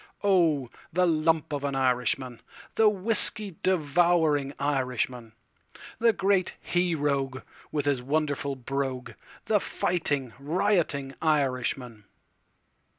Oh, the lump of an Irishman, The whiskey devouring Irishman, The great he rogue with his wonderful brogue—the fighting, rioting Irishman.